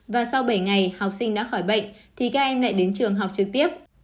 và sau bảy ngày học sinh đã khỏi bệnh thì các em lại đến trường học trực tiếp